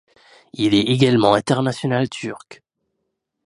Il est également international turc.